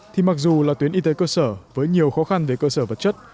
thì mặc dù là tuyến y tế cơ sở với nhiều khó khăn về cơ sở vật chất